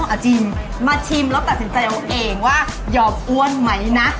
อาจิมมาชิมแล้วตัดสินใจเอาเองว่ายอมอ้วนไหมนะ